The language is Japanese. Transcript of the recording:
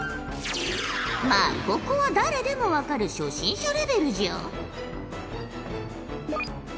まあここは誰でも分かる初心者レベルじゃ。